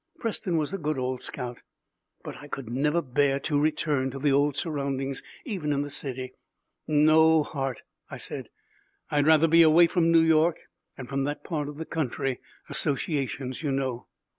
Preston was a good old scout! But I could never bear it to return to the old surroundings, even in the city. "No, Hart," I said, "I'd rather be away from New York and from that part of the country. Associations, you know."